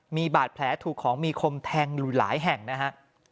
มีบาดแผลถูกของมีคมแทงอยู่หลายแห่งนะฮะ